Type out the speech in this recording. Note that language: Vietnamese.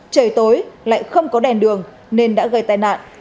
trời tối lại không có đèn đường nên đã gây tai nạn